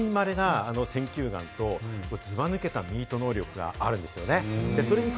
類いまれな選球眼とずば抜けたミート能力があるんですよね。